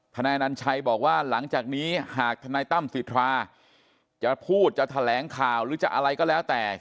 นายนัญชัยบอกว่าหลังจากนี้หากทนายตั้มสิทธาจะพูดจะแถลงข่าวหรือจะอะไรก็แล้วแต่